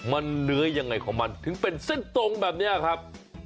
มันเนื้อยังไงของมันถึงเป็นเส้นตรงแบบนี้ครับ